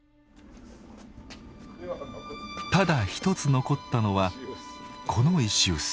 ただ一つ残ったのはこの石臼。